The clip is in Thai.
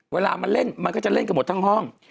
เวลามันเล่นมันก็จะเล่นกันหมดทั้งห้อง